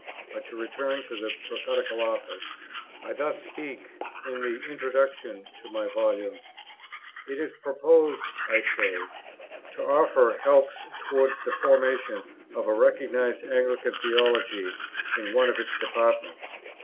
But to return to the "Prophetical Office." I thus speak in the Introduction to my Volume: "It is proposed," I say, "to offer helps towards the formation of a recognized Anglican theology in one of its departments.